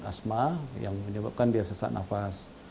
asma yang menyebabkan dia sesak nafas